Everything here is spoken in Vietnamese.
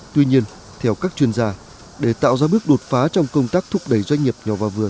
tuy nhiên theo các chuyên gia để tạo ra bước đột phá trong công tác thúc đẩy doanh nghiệp nhỏ và vừa